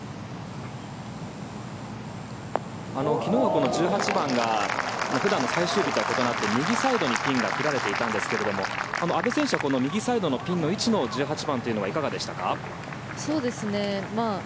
昨日はこの１８番が普段の最終日とは異なって右サイドにピンが切られていたんですが阿部選手は右サイドの位置のピン１８番というのはいかがでしたか？